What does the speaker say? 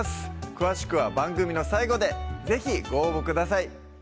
詳しくは番組の最後で是非ご応募ください